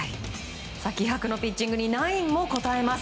気迫のピッチングにナインも応えます。